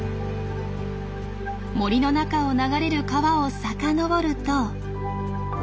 森の中を流れる川を遡ると。